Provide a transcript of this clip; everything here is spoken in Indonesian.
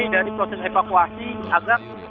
dari proses evakuasi agar